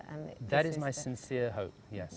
itu harapan yang saya hargai